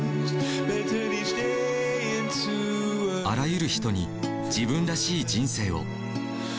あらゆる人に自分らしい人生を。